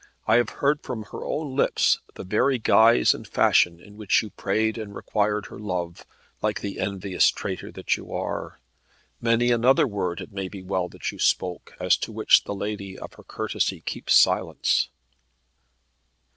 I have heard from her own lips the very guise and fashion in which you prayed and required her love, like the envious traitor that you are. Many another word it may well be that you spoke, as to which the lady of her courtesy keeps silence."